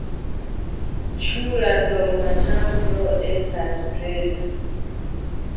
Ĉu la dormoĉambro estas preta?